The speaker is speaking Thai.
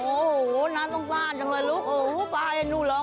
โอ้โหน้ำต้องท่านจังเลยลูกอู๋